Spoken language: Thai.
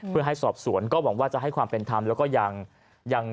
เพื่อให้สอบสวนก็หวังว่าจะให้ความเป็นธรรมแล้วก็ยัง